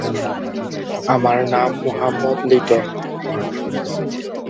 কারখানাটি অঞ্চল নিয়ে অবস্থিত।